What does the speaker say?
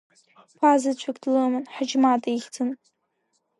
Ԥа-заҵәык длыман, Ҳаџьмаҭ ихьӡын.